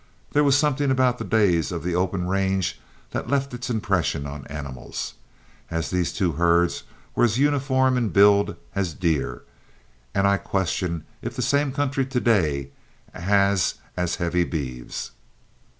There was something about the days of the open range that left its impression on animals, as these two herds were as uniform in build as deer, and I question if the same country to day has as heavy beeves.